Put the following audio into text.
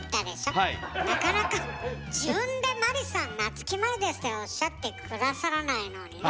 なかなか自分でマリさん「夏木マリです」っておっしゃって下さらないのにね。